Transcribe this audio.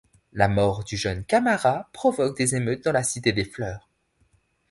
La mort du jeune Camara provoque des émeutes dans la cité des Fleurs.